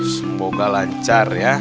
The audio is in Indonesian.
semoga lancar ya